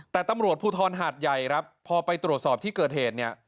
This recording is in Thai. แต่ตำรวจภูทรหาดใหญ่ครับพอไปตรวจสอบที่เกิดเหตุเนี่ย